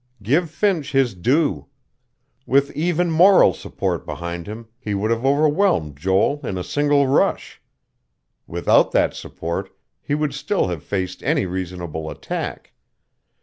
Give Finch his due. With even moral support behind him, he would have overwhelmed Joel in a single rush. Without that support, he would still have faced any reasonable attack.